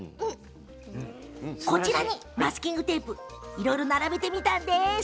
こちらにマスキングテープをいろいろ並べてみました。